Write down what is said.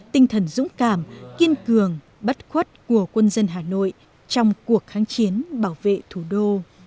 tinh thần dũng cảm kiên cường bất khuất của quân dân hà nội trong cuộc kháng chiến bảo vệ thủ đô